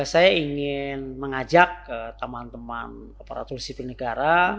saya ingin mengajak teman teman aparatur sipil negara